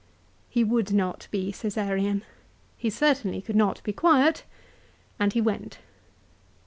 He would not be Csesarean : he certainly could not be quiet, and he went.